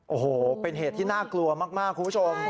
โอ้โหเป็นเหตุที่น่ากลัวมากคุณผู้ชม